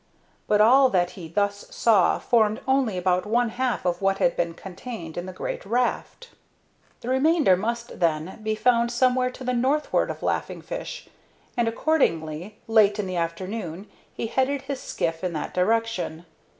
But all that he thus saw formed only about one half of what had been contained in the great raft. The remainder must, then, be found somewhere to the northward of Laughing Fish, and, accordingly, late in the afternoon he headed his skiff in that direction.